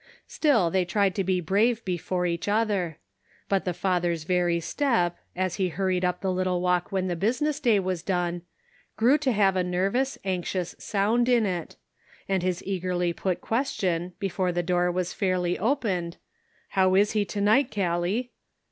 Still they tried to be brave before each other ; but the father's very step, as he hurried up the little walk when the business day was done, grew to have a nervous, anxious sound in it, and his eagerly put question, before the door was fairly opened, "How is he to night, The Ends Meet. 835 Callie